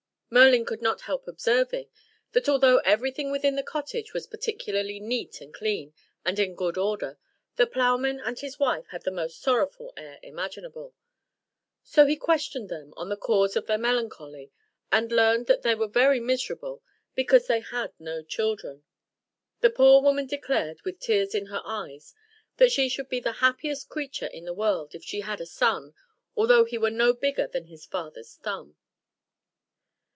Merlin could not help observing, that although everything within the cottage was particularly neat and clean, and in good order, the ploughman and his wife had the most sorrowful air imaginable: so he questioned them on the cause of their melancholy, and learned that they were very miserable because they had no children. The poor woman declared, with tears in her eyes, that she should be the happiest creature in the world, if she had a son, although he were no bigger than his father's thumb.